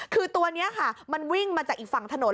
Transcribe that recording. คือตัวนี้ค่ะมันวิ่งมาจากอีกฝั่งถนน